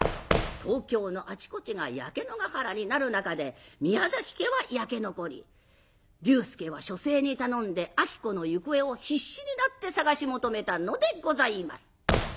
東京のあちこちが焼け野が原になる中で宮崎家は焼け残り龍介は書生に頼んで子の行方を必死になって捜し求めたのでございます。